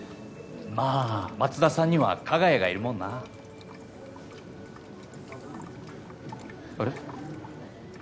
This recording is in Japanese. まあ松田さんには加賀谷がいるもんなあれ？